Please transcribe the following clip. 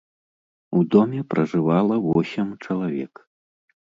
У доме пражывала восем чалавек.